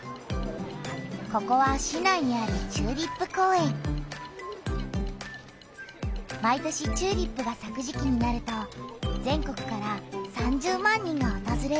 ここは市内にある毎年チューリップがさく時期になると全国から３０万人がおとずれる。